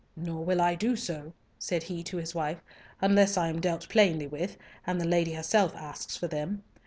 "Nor will I do so," said he to his wife, "unless I am dealt plainly with, and the lady herself asks for them.